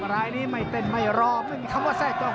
รายนี้ไม่เต้นไม่รอไม่มีคำว่าแทรกจ้อง